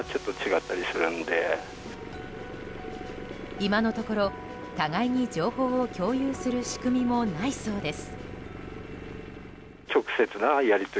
今のところ、互いに情報を共有する仕組みもないそうです。